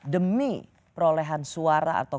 demi perolehan suara atau